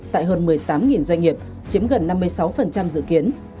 tại hơn một mươi tám doanh nghiệp chiếm gần năm mươi sáu dự kiến